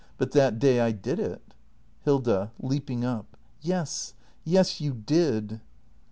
But that day I did it. Hilda. [Leaping up.] Yes, yes, you did!